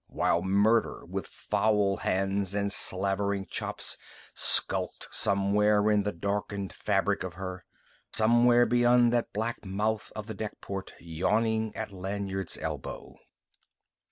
while Murder with foul hands and slavering chops skulked somewhere in the darkened fabric of her, somewhere beyond that black mouth of the deck port yawning at Lanyard's elbow.